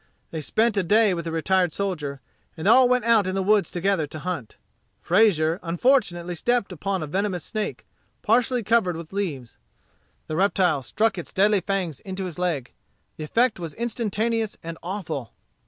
They spent a day with the retired soldier, and all went out in the woods together to hunt. Frazier unfortunately stepped upon a venomous snake, partially covered with leaves. The reptile struck its deadly fangs into his leg. The effect was instantaneous and awful.